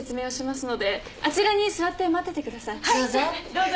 どうぞ。